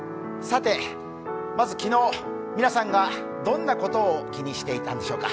まず、昨日皆さんがどんなことを気にしていたんでしょうか。